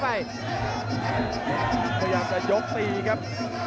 พยายามจะยกตีครับ